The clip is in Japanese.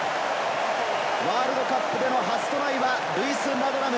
ワールドカップでは初トライはルイス・ラドラム。